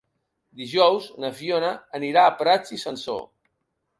Dijous na Fiona anirà a Prats i Sansor.